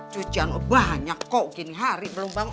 cucian banyak kok gini hari belum bang